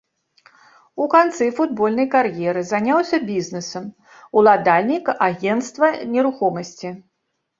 У канцы футбольнай кар'еры заняўся бізнесам, уладальнік агенцтва нерухомасці.